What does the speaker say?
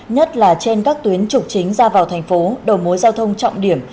nhất là trên các tuyến trục chính ra vào thành phố đầu mối giao thông trọng điểm